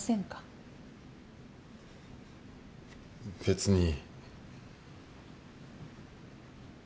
別に。